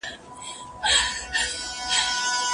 ژوند مې له وخته بې ډېوې، هغه مې بيا ياديږي